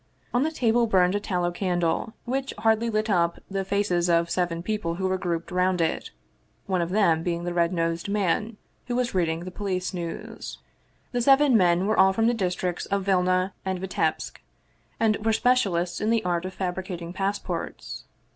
On the table burned a tallow candle, which hardly lit up the faces of seven people who were grouped round it, one of them being the red nosed man who was reading the Police News. The seven men were all from the districts of Vilna and Vitebsk, and were specialists in the art of fabricating passports.